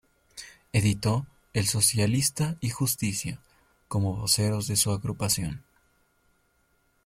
Editó "El Socialista" y "Justicia", como voceros de su agrupación.